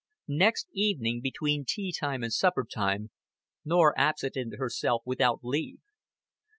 Next evening, between tea time and supper time, Norah absented herself without leave.